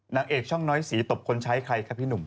นางเอกช่องน้อยสีตบคนใช้ใครครับพี่หนุ่ม